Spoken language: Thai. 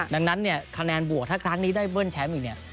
ดังนั้นเนี่ยคะแนนบวกถ้าครั้งนี้ได้เบิ้ลแชมป์อีกเนี่ย